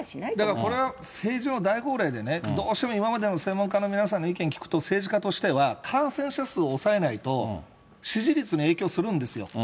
だからこれは、政治の大号令で、どうしても今までの専門家の皆さんの意見聞くと、政治家としては、感染者数を抑えないと、支持率に影響するんですよ。